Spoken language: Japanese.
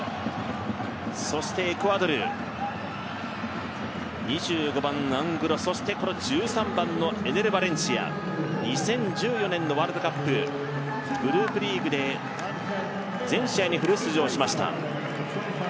そしてエクアドル、２５番のアングロそしてこの１３番のエネル・バレンシア、２０１４年のワールドカップ、グループリーグで全試合にフル出場しました。